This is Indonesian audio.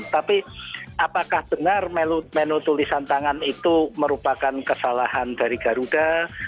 tapi apakah benar menu tulisan tangan itu merupakan kesalahan dari garuda